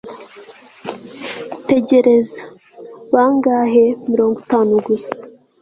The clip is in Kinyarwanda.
tegereza! bangahe? mirongo itanu gusa